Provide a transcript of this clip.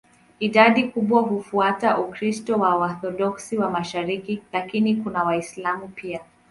Idadi kubwa hufuata Ukristo wa Waorthodoksi wa mashariki, lakini kuna Waislamu pia.